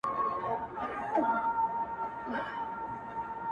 کار چي د شپې کيږي هغه په لمرخاته ـنه کيږي ـ